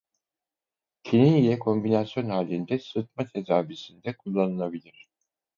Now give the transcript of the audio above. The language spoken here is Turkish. Kinin ile kombinasyon halinde sıtma tedavisinde kullanılabilir.